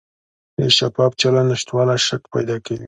د شفاف چلند نشتوالی شک پیدا کوي